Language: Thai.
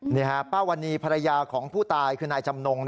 นี่ฮะป้าวันนี้ภรรยาของผู้ตายคือนายจำนง